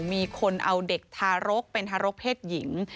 มีคนเอาเด็กทารกเป็นทารกเพศหญิง